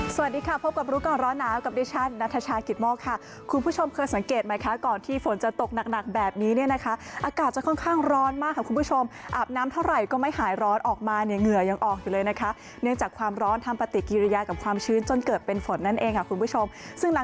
สวัสดีค่ะพบกับรู้ก่อนร้อนหนาวกับดิฉันนัทชายกิตโมกค่ะคุณผู้ชมเคยสังเกตไหมคะก่อนที่ฝนจะตกหนักหนักแบบนี้เนี่ยนะคะอากาศจะค่อนข้างร้อนมากค่ะคุณผู้ชมอาบน้ำเท่าไหร่ก็ไม่หายร้อนออกมาเนี่ยเหงื่อยังออกอยู่เลยนะคะเนื่องจากความร้อนทำปฏิกิริยากับความชื้นจนเกิดเป็นฝนนั่นเองค่ะคุณผู้ชมซึ่งหลัง